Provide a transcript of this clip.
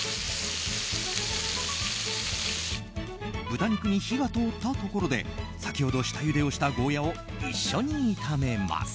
豚肉に火が通ったところで先ほど下ゆでをしたゴーヤを一緒に炒めます。